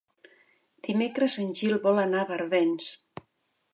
Dimecres en Gil vol anar a Barbens.